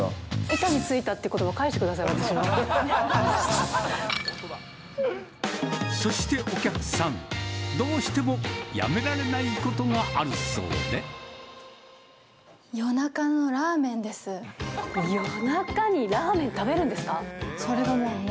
板についたっていうことば、そしてお客さん、どうしてもやめられないことがあるそうですね。